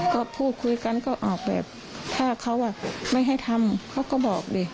ก็พูดคุยกันก็ออกแบบถ้าเขาไม่ให้ทำเขาก็บอกดิ